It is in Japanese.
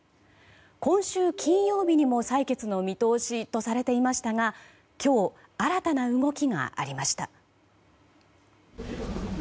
今週金曜日にも採決の見通しとされていましたが今日、新たな動きがありました。